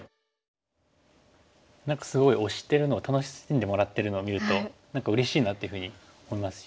何かすごい推してるのを楽しんでもらってるのを見るとうれしいなっていうふうに思いますし。